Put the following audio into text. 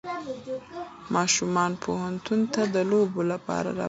ماشومان پوهنتون ته د لوبو لپاره رابلل کېږي.